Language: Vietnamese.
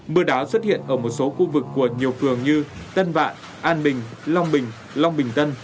mưa đá xuất hiện ở một số khu vực của nhiều phường như tân vạn an bình long bình long bình tân